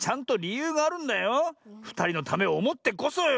ふたりのためをおもってこそよ。